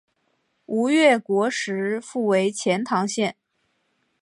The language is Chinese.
吴越国时复为钱唐县。